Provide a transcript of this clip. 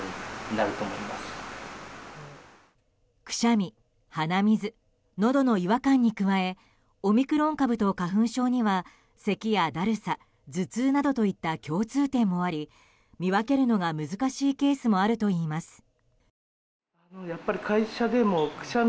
くしゃみ、鼻水のどの違和感に加えオミクロン株と花粉症にはせきやだるさ、頭痛などといった共通点もあり、見分けるのが難しいケースもあるといいます。